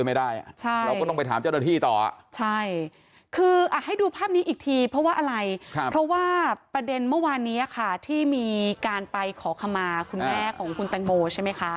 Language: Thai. อีกหนึ่งตัวอะใช่คือหากให้ดูภาพนี้อีกทีเพราะว่าอะไรเพราะที่จะตำเด็นเมื่อวานที่มีการไปขอขมาคุณแม่ของคุณตังบ่องโว้ดใช่ไหมคะ